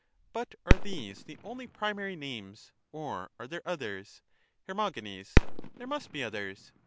But are these the only primary names, or are there others ? Her. There must be others.